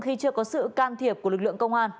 khi chưa có sự can thiệp của lực lượng công an